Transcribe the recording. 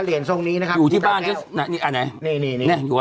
เหรียญทรงนี้นะคะอยู่ที่บ้านน่ะนี่อันไหนนี่นี่นี่นี่อยู่อ่ะ